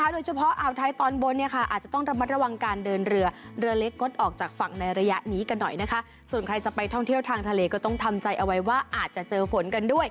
โดยเฉพาะเอาไทยตอนบน